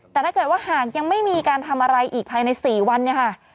แต่ถ้าเกิดว่าหากยังไม่มีการทำอะไรอีกภายใน๔วันเนี่ยค่ะ